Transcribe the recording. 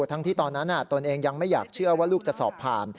ทั้งที่ตอนนั้นตนเองยังไม่อยากเชื่อว่าลูกจะสอบผ่าน